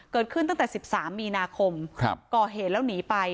เกิดขึ้นตั้งแต่สิบสามมีนาคมครับก่อเหตุแล้วหนีไป